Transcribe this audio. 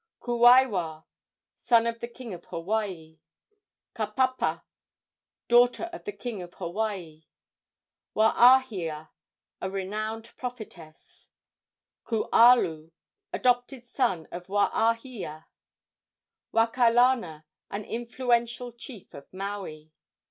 Kuaiwa, son of the king of Hawaii. Kapapa, daughter of the king of Hawaii. Waahia, a renowned prophetess. Kualu, adopted son of Waahia. Wakalana, an influential chief of Maui.